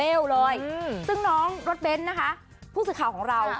เอืมซึ่งน้องรถเบ้นนะคะผู้สิทธิ์ของเรา